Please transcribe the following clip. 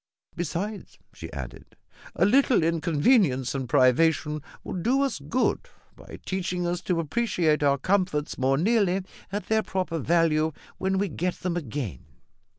"Besides," she added, "a little inconvenience and privation will do us good by teaching us to appreciate our comforts more nearly at their proper value when we get them again."